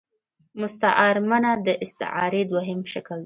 مستعارمنه د ا ستعارې دوهم شکل دﺉ.